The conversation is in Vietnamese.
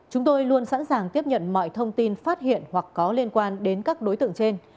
chúng tôi luôn sẵn sàng tiếp nhận mọi thông tin phát hiện hoặc có liên quan đến các đối tượng trên